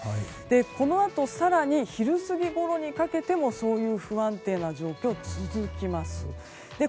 このあと更に昼過ぎごろにかけてもそういう不安定な状況が続きます。